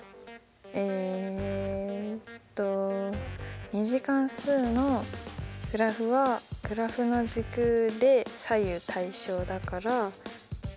えっと２次関数のグラフはグラフの軸で左右対称だから。